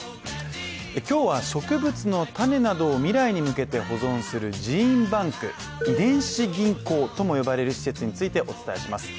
今日は、植物の種などを未来に向けて保存するジーンバンク、遺伝子銀行とも呼ばれる施設についてお伝えします。